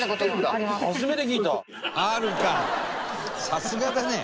さすがだね。